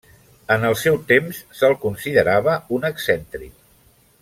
En el seu temps se'l considerava un excèntric.